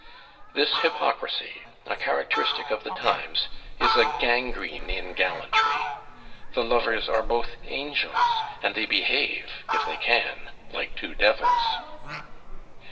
This hypocrisy, a characteristic of the times, is a gangrene in gallantry. The lovers are both angels, and they behave, if they can, like two devils.